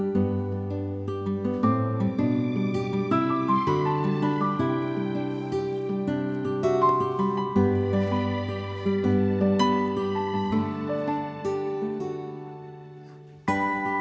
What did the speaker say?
papa keluar dulu ya